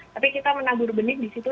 tapi kita menabur benih disitu